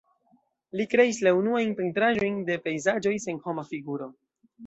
Li kreis la unuajn pentraĵojn de pejzaĝoj sen homa figuro.